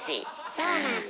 そうなんだ。